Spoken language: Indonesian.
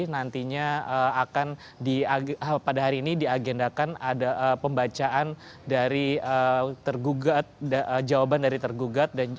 nantinya pada hari ini diagendakan ada pembacaan jawaban dari tergugat